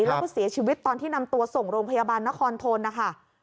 แล้วก็เสียชีวิตตอนที่นำตัวส่งโรงพยาบาลนครทนนะคะ